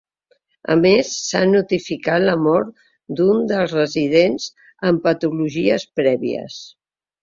A més s’ha notificat la mort d’un dels residents amb patologies prèvies.